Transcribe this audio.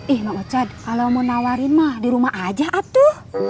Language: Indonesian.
ih mak ocad kalo mau nawarin mah di rumah aja atuk